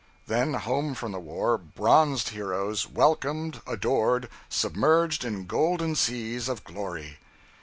Then home from the war, bronzed heroes, welcomed, adored, submerged in golden seas of glory!